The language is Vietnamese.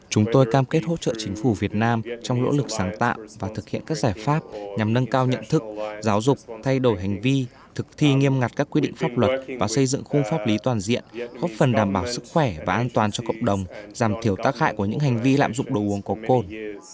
chúng tôi cam kết hỗ trợ chính phủ việt nam trong lỗ lực sáng tạo và thực hiện các giải pháp nhằm nâng cao nhận thức giáo dục thay đổi hành vi thực thi nghiêm ngặt các quy định pháp luật và xây dựng khung pháp lý toàn diện góp phần đảm bảo sức khỏe và an toàn cho cộng đồng giảm thiểu tác hại của những hành vi lạm dụng đồ uống có cồn